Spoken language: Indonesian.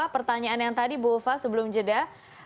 pertanyaan yang tadi bu ulfa sebelum jeda